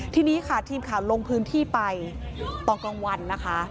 ทีนี้ค่ะทีมข่าวลงพื้นที่ไปตอนกลางวันนะคะ